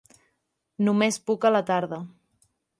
Només puc a la tarda.